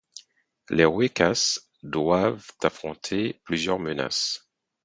Les wekas doivent affronter plusieurs menaces.